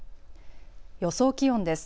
予想気温です。